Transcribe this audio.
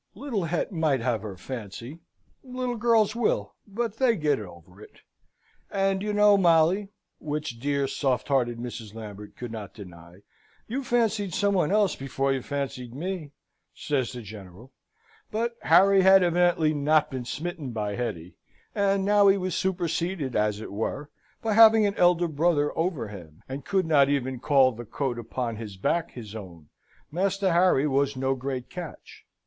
Little Het might have her fancy; little girls will; but they get it over: "and you know, Molly" (which dear, soft hearted Mrs. Lambert could not deny), "you fancied somebody else before you fancied me," says the General; but Harry had evidently not been smitten by Hetty; and now he was superseded, as it were, by having an elder brother over him, and could not even call the coat upon his back his own, Master Harry was no great catch.